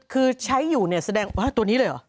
คือใช้อยู่เนี่ยแสดงว่าตัวนี้เลยเหรอ